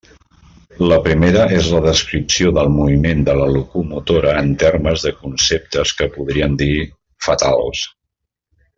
La primera és la descripció del moviment de la locomotora en termes de conceptes que podríem dir «fatals».